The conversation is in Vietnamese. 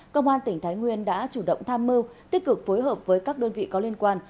công an tỉnh thái nguyên đã chủ động tham mưu tích cực phối hợp với các đơn vị có liên quan